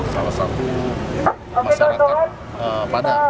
salah satu masyarakat pada